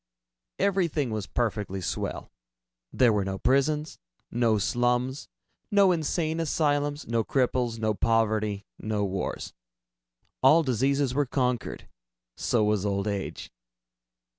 Everything was perfectly swell. There were no prisons, no slums, no insane asylums, no cripples, no poverty, no wars. All diseases were conquered. So was old age.